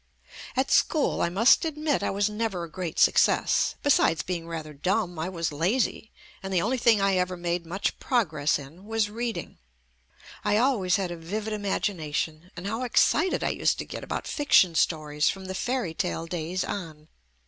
At school, I must admit I was never a great success ; besides being rather dumb, I was lazy, and the only thing I ever made much progress in was reading. I always had a vivid imagina tion, and how excited I used to get about fiction stories from the fairy tale days on.